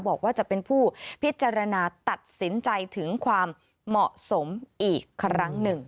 บอกว่าจะเป็นผู้พิจารณาตัดสินใจถึงความเหมาะสมอีกครั้งหนึ่ง